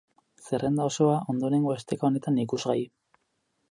Zerrenda osoa, ondorengo esteka honetan ikusgai.